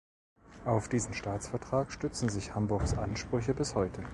Auf diesen Staatsvertrag stützen sich Hamburgs Ansprüche bis heute.